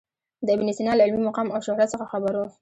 د ابن سینا له علمي مقام او شهرت څخه خبر و.